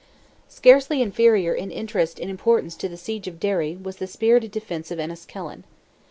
Scarcely inferior in interest and importance to the siege of Derry, was the spirited defence of Enniskillen.